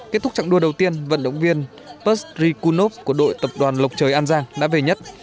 kết thúc trạng đua đầu tiên vận động viên pusri kunop của đội tập đoàn lộc trời an giang đã về nhất